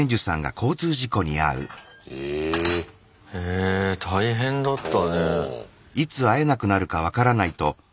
え大変だったね。